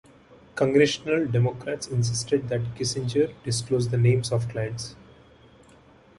Congressional Democrats insisted that Kissinger disclose the names of clients.